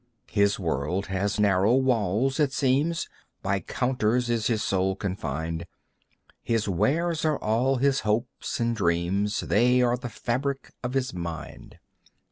His world has narrow walls, it seems; By counters is his soul confined; His wares are all his hopes and dreams, They are the fabric of his mind.